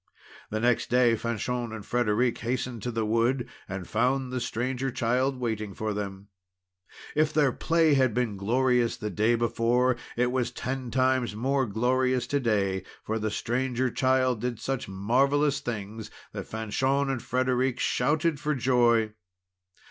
The next day, Fanchon and Frederic hastened to the wood, and found the Stranger Child waiting for them. If their play had been glorious the day before, it was ten times more glorious to day; for the Stranger Child did such marvellous things that Fanchon and Frederic shouted for joy.